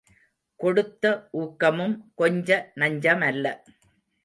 கொடுத்த ஊக்கமும் கொஞ்ச நஞ்சமல்ல.